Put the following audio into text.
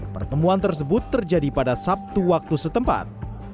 pertemuan tersebut terjadi pada sabtu waktu setempat